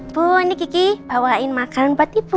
bu ini kiki bawain makanan buat ibu